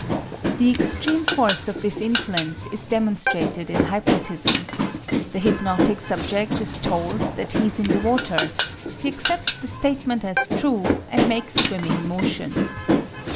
The extreme force of this influence is demonstrated in hypnotism. The hypnotic subject is told that he is in the water; he accepts the statement as true and makes swimming motions.